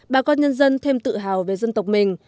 bà con nhân dân thêm tự hào về dân tộc mình